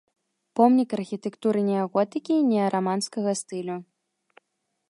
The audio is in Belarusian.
Помнік архітэктуры неаготыкі і неараманскага стылю.